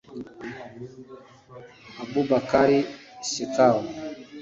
Abubakar Shekau